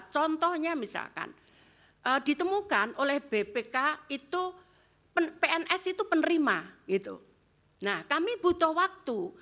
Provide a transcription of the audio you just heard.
contohnya misalkan ditemukan oleh bpk itu pns itu penerima gitu nah kami butuh waktu